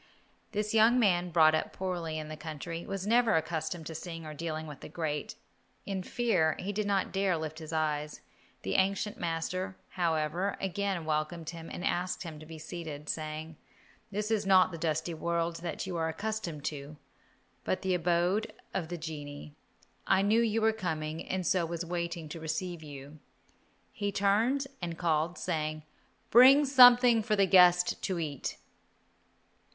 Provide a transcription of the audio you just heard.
This young man, brought up poorly in the country, was never accustomed to seeing or dealing with the great. In fear, he did not dare to lift his eyes. The ancient master, however, again welcomed him and asked him to be seated, saying, "This is not the dusty world that you are accustomed to, but the abode of the genii. I knew you were coming, and so was waiting to receive you." He turned and called, saying, "Bring something for the guest to eat."